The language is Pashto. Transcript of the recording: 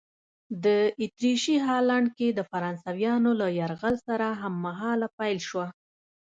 د اتریشي هالنډ کې د فرانسویانو له یرغل سره هممهاله پیل شوه.